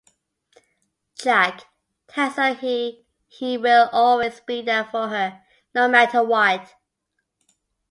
'Jack' tells her he will always be there for her, no matter what.